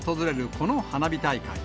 この花火大会。